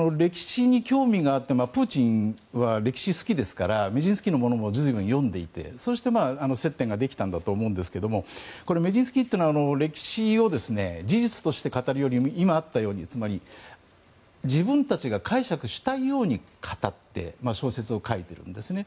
ですからプーチンは歴史好きですからメジンスキーのものも随分読んでいてそうして接点ができたんだと思うんですがメジンスキーは歴史を事実として語るより今あったように自分たちが解釈したいように語って小説を書いているんですね。